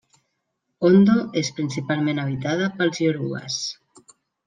Ondo és principalment habitada pels iorubes.